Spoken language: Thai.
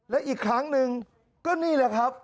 และอีกครั้งหนึ่งก็นี่แหละครับ